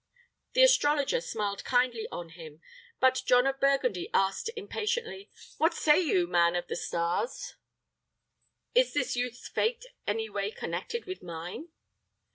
The astrologer smiled kindly on him, but John of Burgundy asked, impatiently, "What say you, man of the stars, is this youth's fate any way connected with mine?"